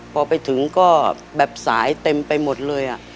พอไปถึงก็แบบสายเต็มไปหมดเลย